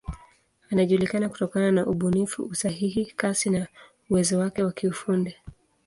Anajulikana kutokana na ubunifu, usahihi, kasi na uwezo wake wa kiufundi.